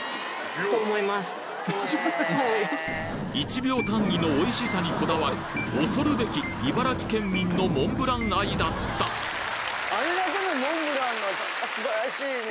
１秒単位のおいしさにこだわる恐るべき茨城県民のモンブラン愛だったあれだけのモンブランの素晴らしいね。